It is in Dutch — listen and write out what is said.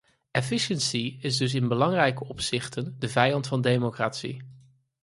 Efficiency is dus in belangrijke opzichten de vijand van de democratie.